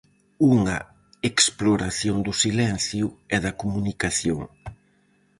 Unha exploración do silencio e da comunicación.